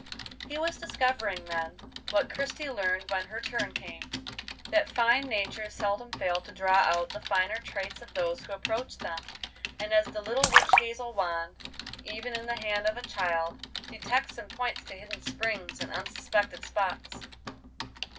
He was discovering then, what Christie learned when her turn came, that fine natures seldom fail to draw out the finer traits of those who approach them, as the little witch hazel wand, even in the hand of a child, detects and points to hidden springs in unsuspected spots.